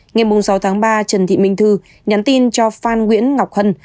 ngày sáu tháng ba trần thị minh thư nhắn tin cho phan nguyễn ngọc hân